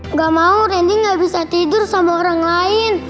nggak mau randy nggak bisa tidur sama orang lain